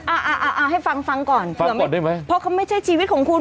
อ่าอ่าเอาให้ฟังฟังก่อนฟังหมดได้ไหมเพราะเขาไม่ใช่ชีวิตของคุณ